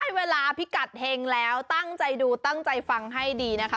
เวลาพิกัดเฮงแล้วตั้งใจดูตั้งใจฟังให้ดีนะคะ